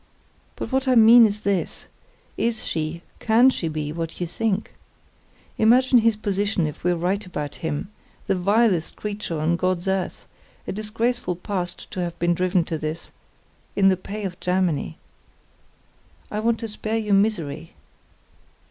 But what I mean is this: is she, can she be, what you think? Imagine his position if we're right about him; the vilest creature on God's earth—a disgraceful past to have been driven to this—in the pay of Germany. I want to spare you misery."